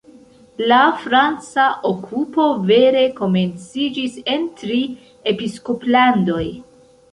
La franca okupo vere komenciĝis en Tri-Episkoplandoj.